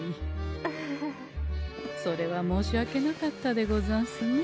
それは申し訳なかったでござんすね。